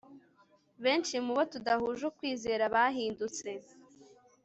Benshi mu bo tudahuje ukwizera bahindutse